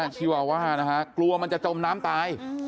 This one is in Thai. ชีวาว่านะฮะกลัวมันจะจมน้ำตาย